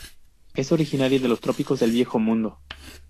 Es originaria de los trópicos del Viejo Mundo.